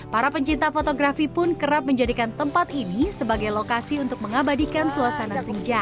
para pencinta fotografi pun kerap menjadikan tempat ini sebagai lokasi untuk mengabadikan suasana senja